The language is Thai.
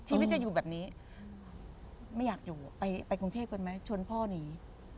ชีวิตจะอยู่แบบนี้ไม่อยากอยู่ไปกรุงเทพกันไหมชนพ่อหนี